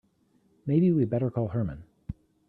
Maybe we'd better call Herman.